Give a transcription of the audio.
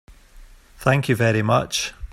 Thank you very much.